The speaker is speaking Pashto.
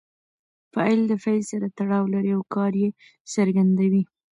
فاعل د فعل سره تړاو لري او کار ئې څرګندوي.